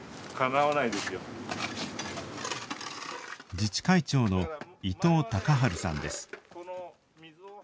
自治会長の伊東隆治さんです。